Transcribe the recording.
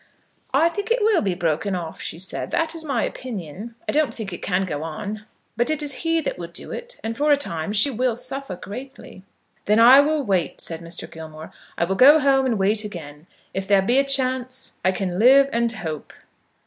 "I think it will be broken off," she said. "That is my opinion. I don't think it can go on. But it is he that will do it; and for a time she will suffer greatly." "Then I will wait," said Mr. Gilmore. "I will go home, and wait again. If there be a chance, I can live and hope."